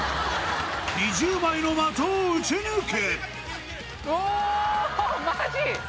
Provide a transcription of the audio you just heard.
２０枚の的を打ち抜く！